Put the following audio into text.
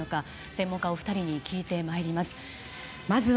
専門家お二人に聞いてまいります。